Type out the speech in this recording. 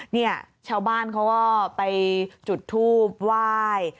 เนี่ยชาวบ้านเขาก็ไปจุดทูบไหว้